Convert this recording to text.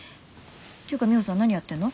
ていうかミホさん何やってんの？